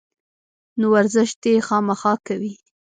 نو ورزش دې خامخا کوي